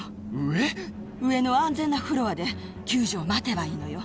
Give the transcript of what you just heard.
上の安全なフロアで救助を待てばいいのよ。